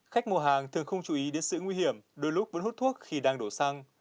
khách mua hàng thường không chú ý đến sự nguy hiểm đôi lúc vẫn hút thuốc khi đang đổ xăng